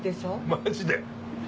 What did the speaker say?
マジで！